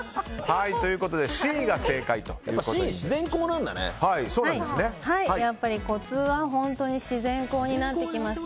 ということでＣが正解ということです。